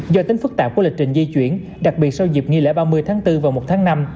do tính phức tạp của lịch trình di chuyển đặc biệt sau dịp nghỉ lễ ba mươi tháng bốn và một tháng năm